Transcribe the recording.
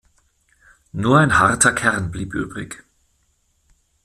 Nur ein harter Kern blieb übrig.